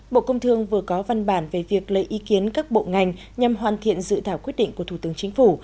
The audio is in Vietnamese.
bộ công thương vừa có văn bản về việc lấy ý kiến các bộ ngành nhằm hoàn thiện dự thảo quyết định của thủ tướng chính phủ